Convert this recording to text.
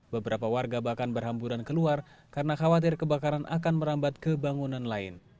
beberapa warga bahkan berhamburan keluar karena khawatir kebakaran akan merambat ke bangunan lain